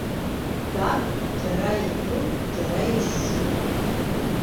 Дәаб џьара иӷьуп, џьара ишьшьуп.